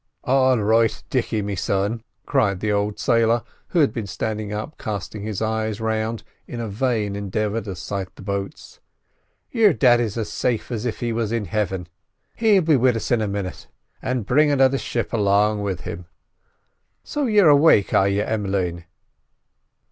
"All right, Dicky, me son!" cried the old sailor, who had been standing up casting his eyes round in a vain endeavour to sight the boats. "Your daddy's as safe as if he was in hivin; he'll be wid us in a minit, an' bring another ship along with him. So you're awake, are you, Em'line?"